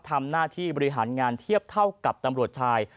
ทำหน้าที่บริหารงานเทียบเท่ากับตำรวจชาย